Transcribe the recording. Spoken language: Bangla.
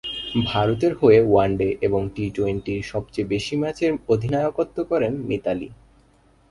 ভারতের হয়ে ওয়ানডে এবং টি-টোয়েন্টির সবচেয়ে বেশি ম্যাচের অধিনায়কত্ব করেন মিতালী।